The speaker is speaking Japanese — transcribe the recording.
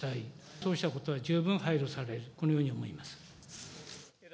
そうしたことは、十分配慮される、このように思います。